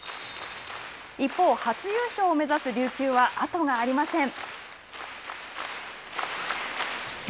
一方、初優勝を目指す琉球は後がありません。